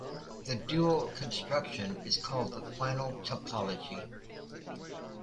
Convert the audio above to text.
The dual construction is called the final topology.